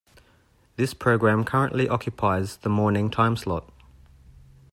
This program currently occupies the morning timeslot.